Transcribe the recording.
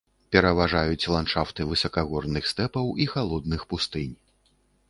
Пераважаюць ландшафты высакагорных стэпаў і халодных пустынь.